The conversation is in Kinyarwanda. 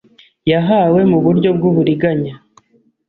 yahawe mu buryo bw’uburiganya